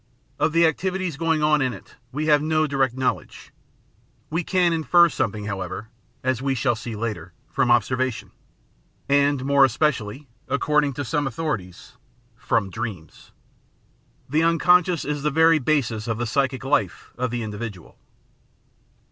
Of the activities going on in it we have no direct knowledge ; we can infer something, however, as we shall see later, from observation, and more especially, ac cording to some authorities, from dreams. The unconscious is the very basis of the psychic life of the individual.